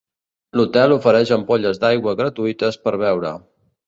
L'hotel ofereix ampolles d'aigua gratuïtes per beure.